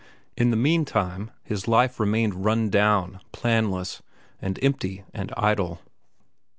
In the meantime his life remained run down, planless, and empty and idle.